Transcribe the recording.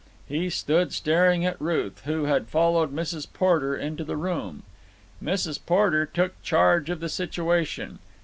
He stood staring at Ruth, who had followed Mrs. Porter into the room. Mrs. Porter took charge of the situation.